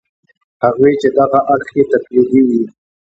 هغوی چې دغه اړخ یې تقلیدي وي.